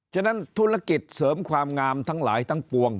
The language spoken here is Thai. ฉะนั้นธุรกิจเสริมความงามทั้งหลายทั้งปวง